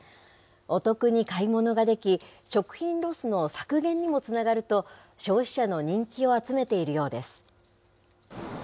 お得に買い物ができ、食品ロスの削減にもつながると、消費者の人気を集めているようです。